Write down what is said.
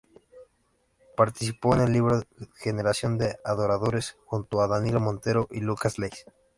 Participó en el libro "Generación de Adoradores" junto a Danilo Montero y Lucas Leys.